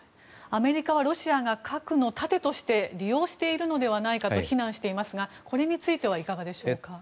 アメリカはロシアが核の盾として利用しているのではないかと非難していますが、これについていかがでしょうか？